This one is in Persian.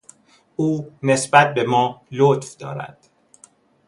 او نسبت بما لطف دارد.